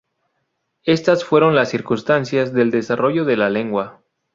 Estas fueron las circunstancias del desarrollo de la lengua.